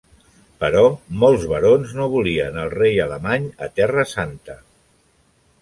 Però molts barons no volien al rei alemany a Terra Santa.